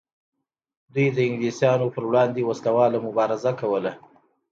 دوی د انګلیسانو پر وړاندې وسله واله مبارزه کوله.